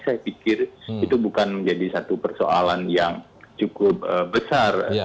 saya pikir itu bukan menjadi satu persoalan yang cukup besar